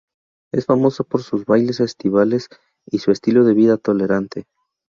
Es famosa por sus bailes estivales y su estilo de vida tolerante.